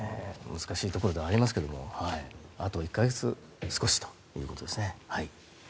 難しいところではありますけどあと１か月少しということですね。